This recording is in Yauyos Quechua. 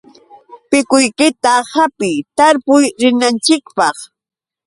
Pikuykita hapiy, tarpuq rinanchikpaq.